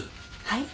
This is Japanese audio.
はい？